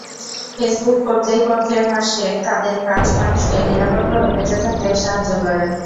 ফেসবুকের কর্তৃপক্ষের ভাষ্য, তাঁদের কাজ মানুষকে নিরাপদভাবে বেঁচে থাকতে সাহায্য করা।